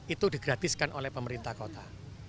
itu digratiskan oleh pemerintah kota